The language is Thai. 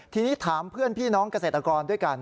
ทีนี้ถามเพื่อนพี่น้องเกษตรกรด้วยกัน